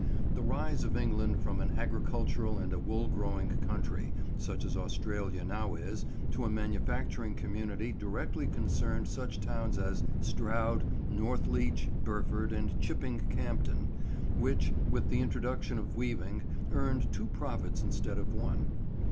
The rise of England from an agricultural and a wool growing country, such as Australia now is, to a manufacturing community directly concerned such towns as Stroud, Northleach, Burford and Chipping Campden, which, with the introduction of weaving, earned two profits instead of one.